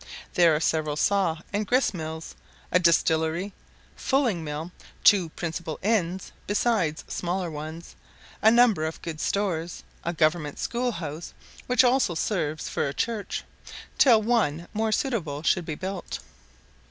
There are several saw and grist mills, a distillery, fulling mill, two principal inns, beside smaller ones, a number of good stores, a government school house, which also serves for a church, till one more suitable should be built.